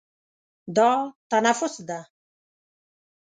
دا تنفس ده.